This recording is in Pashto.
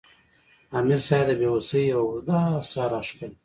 امیر صېب د بې وسۍ یوه اوږده ساه راښکله